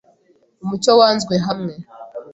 umucyo wanzwe hamwe,